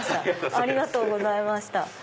ありがとうございます。